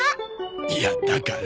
いやだから。